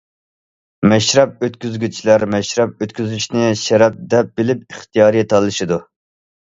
مەشرەپ ئۆتكۈزگۈچىلەر مەشرەپ ئۆتكۈزۈشنى شەرەپ دەپ بىلىپ ئىختىيارىي تالىشىدۇ.